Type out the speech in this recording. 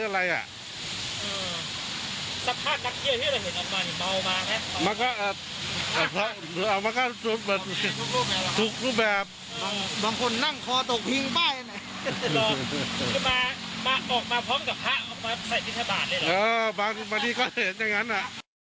ออกมาพร้อมกับพระออกมาใส่บินทบาทบางสัปดาห์นี่ก็เห็นอย่างล่ะ